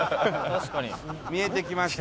見えてきました。